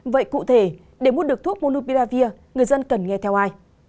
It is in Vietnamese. vậy cụ thể để mua được thuốc monubiravir người dân cần nghe theo ai